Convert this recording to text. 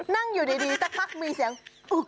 นั่งอยู่ดีสักพักมีเสียง